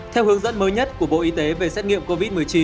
theo hướng dẫn mới nhất của bộ y tế về xét nghiệm covid một mươi chín